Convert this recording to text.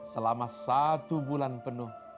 selama satu bulan penuh